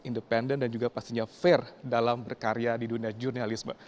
independen dan juga pastinya fair dalam berkarya di dunia jurnalisme